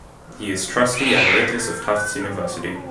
He is Trustee Emeritus of Tufts University.